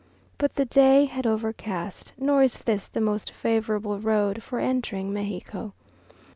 But the day had overcast, nor is this the most favourable road for entering Mexico.